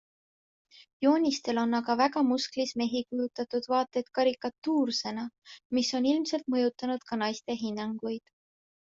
Joonistel on aga väga musklis mehi kujutatud vaat et karikatuursena, mis on ilmselt mõjutanud ka naiste hinnanguid.